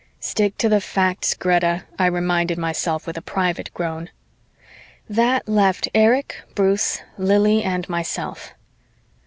"Stick to the facts, Greta," I reminded myself with a private groan. That left Erich, Bruce, Lili and myself.